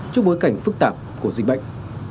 trước bối cảnh phức tạp của dịch bệnh